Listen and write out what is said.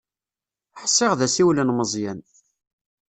Ḥsiɣ d asiwel n Meẓyan.